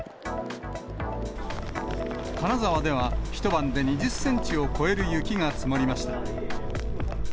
金沢では、一晩で２０センチを超える雪が積もりました。